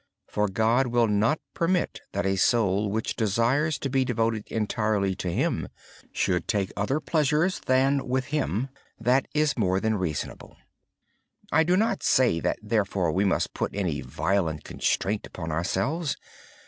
God will not permit a soul that desires to be devoted entirely to Him to take pleasures other than with Him. That is more than reasonable. I do not say we must put any violent constraint upon ourselves.